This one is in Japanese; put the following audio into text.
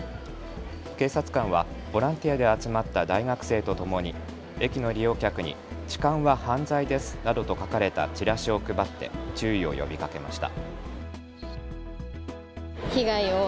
警察官はボランティアで集まった大学生とともに駅の利用客に痴漢は犯罪ですなどと書かれたチラシを配って注意を呼びかけました。